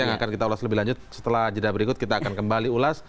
yang akan kita ulas lebih lanjut setelah jeda berikut kita akan kembali ulas